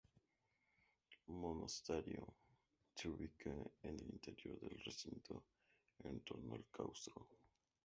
Monasterio: Se ubica en el interior del recinto en torno al claustro.